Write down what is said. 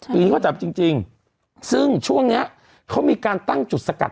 ปีนี้เขาจับจริงจริงซึ่งช่วงเนี้ยเขามีการตั้งจุดสกัด